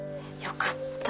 ☎よかった。